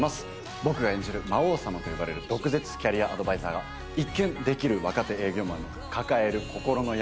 僕が演じる魔王様と呼ばれる毒舌キャリアアドバイザーが一見できる若手営業マンの抱える心の闇に切り込んでいきます。